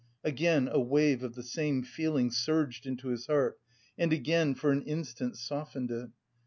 Again a wave of the same feeling surged into his heart, and again for an instant softened it.